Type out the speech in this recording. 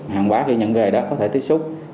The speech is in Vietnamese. hàng hóa khi nhận về có thể tiếp xúc